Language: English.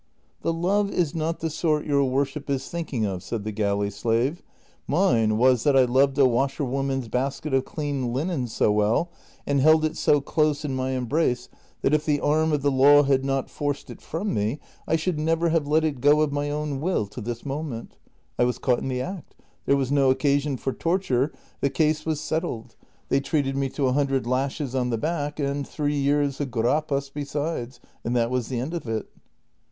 " The love is not the sort your worship is thinking of," said the galley slave ;" mine was that I loved a washerwoman's basket of clean linen so well, and held it so close in my em brace, that if the arm of the law had not forced it from me, I should never have let it go of my own will to this moment ; I was caught in the act, there was no occasion for torture, the case was settled, they treated me to a hundred lashes on the back, and three years of gurapas besides, and that was the end of it."